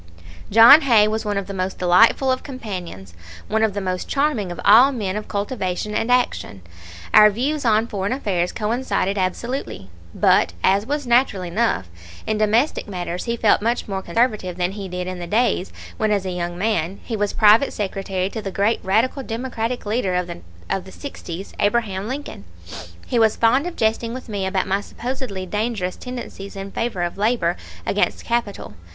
John Hay was one of the most delightful of companions, one of the most charming of all men of cultivation and action. Our views on foreign affairs coincided absolutely; but, as was natural enough, in domestic matters he felt much more conservative than he did in the days when as a young man he was private secretary to the great radical democratic leader of the '60's, Abraham Lincoln. He was fond of jesting with me about my supposedly dangerous tendencies in favor of labor against capital.